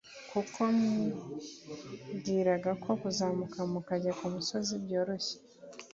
kuko mwibwiraga ko kuzamuka mukajya ku musozi byoroshye